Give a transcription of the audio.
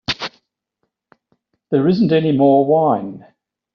There isn't any more wine.